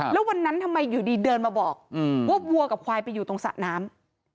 แล้ววันนั้นทำไมอยู่ดีเดินมาบอกว่าวัวกับควายไปอยู่ตรงสระน้ำ